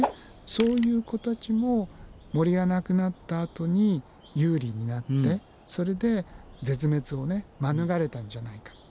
そういう子たちも森がなくなったあとに有利になってそれで絶滅を免れたんじゃないかと。